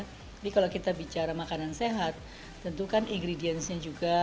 tapi kalau kita bicara makanan sehat tentu kan ingredients nya juga